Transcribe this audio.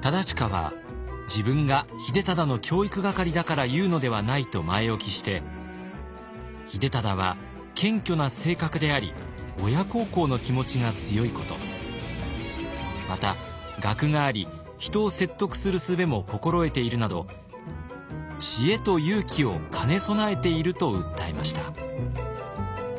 忠隣は「自分が秀忠の教育係だから言うのではない」と前置きして秀忠は謙虚な性格であり親孝行の気持ちが強いことまた学があり人を説得するすべも心得ているなど知恵と勇気を兼ね備えていると訴えました。